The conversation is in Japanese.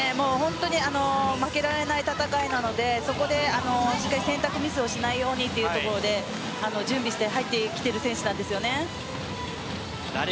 負けられない戦いなのでそこで選択ミスをしないようにということで準備して入ってきている選手です。